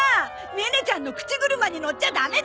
ネネちゃんの口車に乗っちゃダメだ！